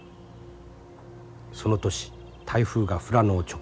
その年台風が富良野を直撃した。